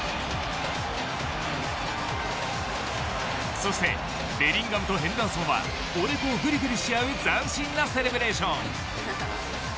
そしてベリンガムとヘンダーソンはおでこをグリグリしあう斬新なセレブレーション。